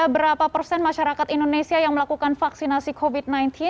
berapa persen masyarakat indonesia yang melakukan vaksinasi covid sembilan belas